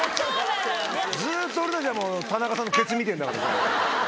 ずっと俺たちはもう、田中さんのけつ見てるんだから。